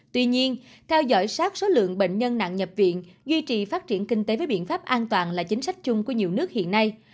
tuy nhiên theo dõi sát số lượng bệnh nhân nặng nhập viện duy trì phát triển kinh tế với biện pháp an toàn là chính sách chung của nhiều nước hiện nay